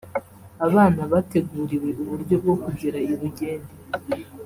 Abafana bateguriwe uburyo bwo kugera i Rugende